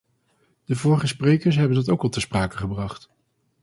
De vorige sprekers hebben dat ook al ter sprake gebracht.